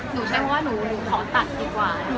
ใช้คำว่าหนูขอตัดดีกว่า